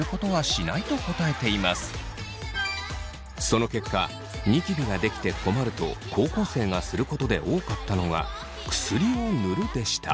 その結果ニキビができて困ると高校生がすることで多かったのが薬を塗るでした。